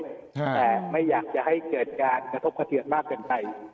แต่ไม่อยากจะให้เกิดการกระทบกระเทือนมากเกินไป